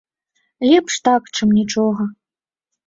Лепш так, чым нічога.